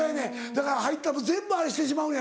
だから入った後全部あれしてしまうのやろ。